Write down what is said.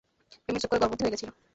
প্রেমের চক্করে গর্ভবতী হয়ে গেছিল।